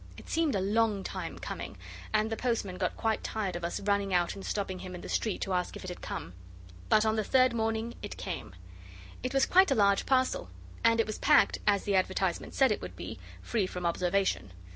It seemed a long time coming, and the postman got quite tired of us running out and stopping him in the street to ask if it had come. But on the third morning it came. It was quite a large parcel, and it was packed, as the advertisement said it would be, 'free from observation.